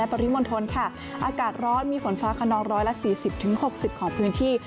อากาศร้อนมีฝนฟ้าคณร้อยละ๔๐๖๐ของพื้นที่